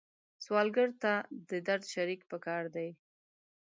سوالګر ته د درد شریک پکار دی